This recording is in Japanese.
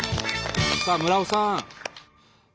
さあ村尾さん。